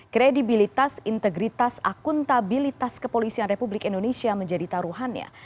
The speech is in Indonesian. kredibilitas integritas akuntabilitas kepolisian republik indonesia menjadi taruhannya